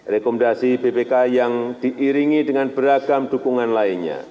rekomendasi bpk yang diiringi dengan beragam dukungan lainnya